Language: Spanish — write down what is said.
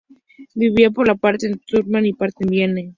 Vivía parte del tiempo en Stuttgart y parte en Viena.